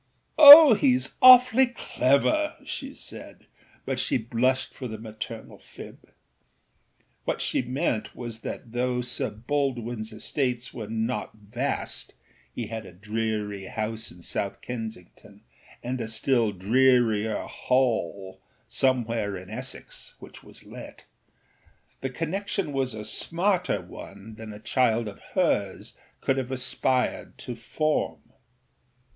âOh! heâs awfully clever,â she said; but she blushed for the maternal fib. What she meant was that though Sir Baldwinâs estates were not vast (he had a dreary house in South Kensington and a still drearier âHallâ somewhere in Essex, which was let), the connection was a âsmarterâ one than a child of hers could have aspired to form.